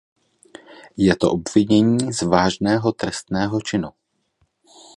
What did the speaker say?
Je to obvinění z vážného trestného činu.